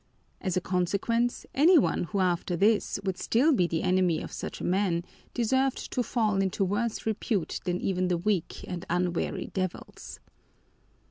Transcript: As a consequence, any one who after this would still be the enemy of such a man, deserved to fall into worse repute than even the weak and unwary devils.